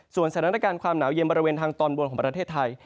สถานการณ์ความหนาวเย็นบริเวณทางตอนบนของประเทศไทย